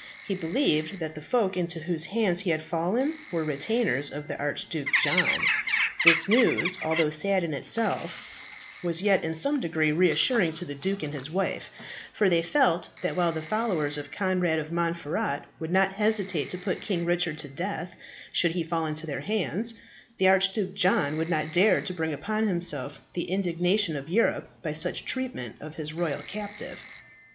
He believed that the folk into whose hands he had fallen were retainers of the Archduke John. This news, although sad in itself, was yet in some degree reassuring to the duke and his wife; for they felt that while the followers of Conrad of Montferat would not hesitate to put King Richard to death should he fall into their hands, the Archduke John would not dare to bring upon himself the indignation of Europe by such treatment of his royal captive.